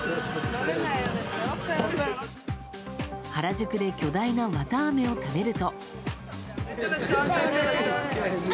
原宿で巨大な綿あめを食べると。